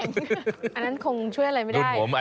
อันนั้นคงช่วยอะไรไม่ได้